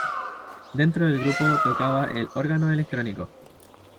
Dentro del grupo tocaba el órgano electrónico.